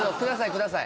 ください